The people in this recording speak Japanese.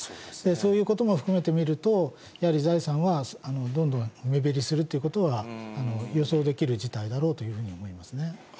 そういうことも含めて見ると、やはり財産はどんどん目減りするということは、予想できる事態だろうというふうに思いますね。